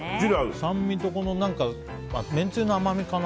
酸味とめんつゆの甘みかな